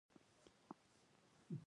په لنډو لنډو نیکرونو کې یې لوبې کولې.